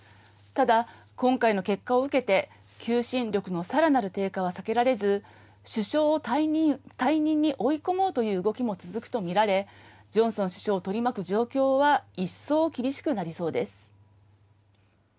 ただ、今回の結果を受けて、求心力のさらなる低下は避けられず、首相を退任に追い込もうという動きも続くと見られ、ジョンソン首相を取り巻く状況は一層厳しくなりそうです。